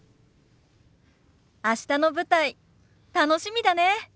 明日の舞台楽しみだね。